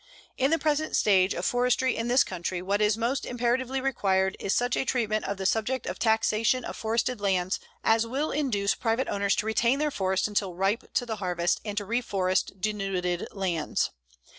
In the present stage of forestry in this country, what is most imperatively required is such a treatment of the subject of taxation of forested lands as will induce private owners to retain their forests until ripe to the harvest and to reforest denuded lands.